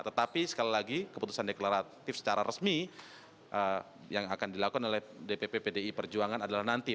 tetapi sekali lagi keputusan deklaratif secara resmi yang akan dilakukan oleh dpp pdi perjuangan adalah nanti